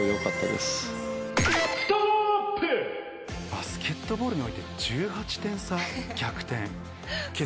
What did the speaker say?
バスケットボールにおいて１８点差、逆転。